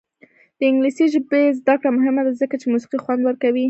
د انګلیسي ژبې زده کړه مهمه ده ځکه چې موسیقي خوند ورکوي.